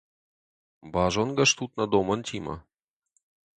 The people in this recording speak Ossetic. Базонгӕ стут нӕ домӕнтимӕ?